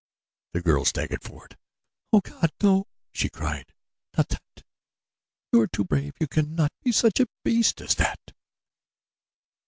The girl staggered forward. "Oh, God, no!" she cried. "Not that. You are too brave you cannot be such a beast as that!"